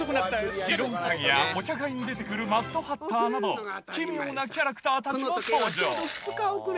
白いうさぎや、お茶会に出てくるマッドハッターなど、奇妙なキャラクターたちも登場。